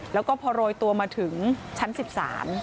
แล้วก็พอโรยตัวมาถึงชั้น๑๓